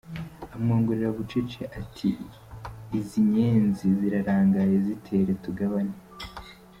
Amwongorera bucece, ati izi nyenzi zirarangaye zitere tugabane !